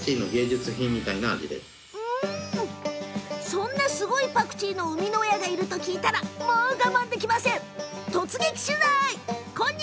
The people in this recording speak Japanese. そんな、すごいパクチーの生みの親がいると聞いたらもう我慢できません。